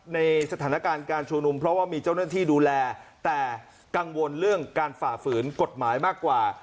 ในสถานการณ์การชุมนุมเพราะว่ามีเจ้าหน้าที่ดูแลแต่กังวลเรื่องการฝ่าฝืนกฎหมายมากกว่า